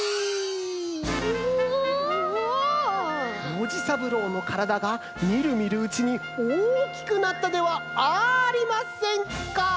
ノジさぶろうのからだがみるみるうちにおおきくなったではありませんか！